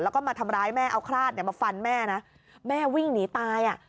แล้วก็มาทำร้ายแม่เอาคราดเนี่ยมาฟันแม่นะแม่วิ่งหนีตายอ่ะ